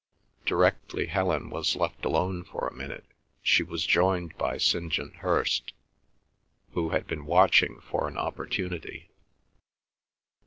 Directly Helen was left alone for a minute she was joined by St. John Hirst, who had been watching for an opportunity.